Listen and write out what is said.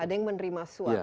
ada yang menerima suap